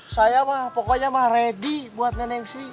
saya mah pokoknya mah ready buat ngenek sri